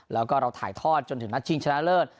แล้วก็เราถ่ายทอดจนถึงนัดชิงชนะเลิศ